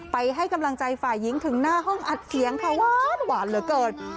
ให้กำลังใจฝ่ายหญิงถึงหน้าห้องอัดเสียงค่ะหวานเหลือเกิน